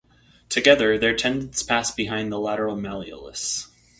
Together, their tendons pass behind the lateral malleolus.